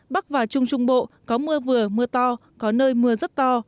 bắc và trung trung bộ có mưa vừa mưa to có nơi mưa rất to